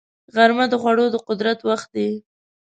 غرمه د خوړو د قدر وخت دی